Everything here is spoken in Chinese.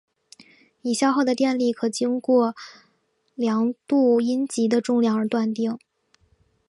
已消耗的电力可经过量度阴极的重量而断定。